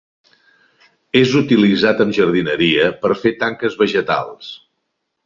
És utilitzat en jardineria, per fer tanques vegetals.